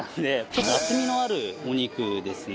ちょっと厚みのあるお肉ですね。